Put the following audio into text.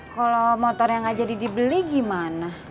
kalo motornya gak jadi dibeli gimana